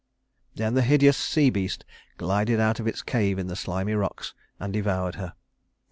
Then the hideous sea beast glided out of its cave in the slimy rocks and devoured her.